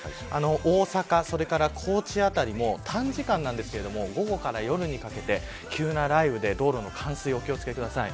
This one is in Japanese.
大阪、それから高知辺りも短時間ですが午後から夜にかけて急な雷雨で、道路の冠水にお気を付けください。